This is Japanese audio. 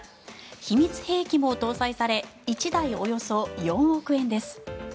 秘密兵器も搭載され１台およそ４億円です。